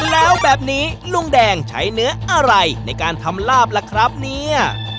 แล้วแบบนี้ลุงแดงใช้เนื้ออะไรในการทำลาบล่ะครับเนี่ย